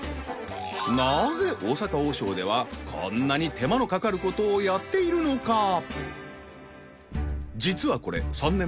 なぜ大阪王将ではこんなに手間のかかることをやっているのか？